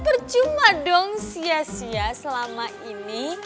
percuma dong sia sia selama ini